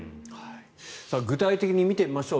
具体的に見てみましょう。